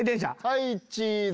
はいチーズ！